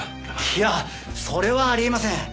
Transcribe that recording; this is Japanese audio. いやそれはあり得ません。